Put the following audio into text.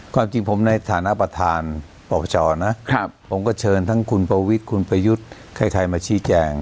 ความจริงผมในโบราฮิตฑาตารณ์ปประชาตินะครับผมก็เชิญทั้งคุณปวิกคุณประยุทธ์ใครมาชี้แจง